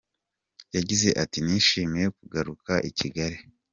Yagize ati “Nishimiye kugaruka i Kigali.